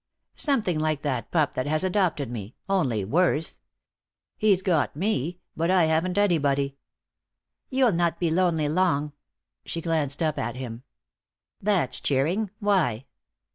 Something like that pup that has adopted me, only worse. He's got me, but I haven't anybody." "You'll not be lonely long." She glanced up at him. "That's cheering. Why?"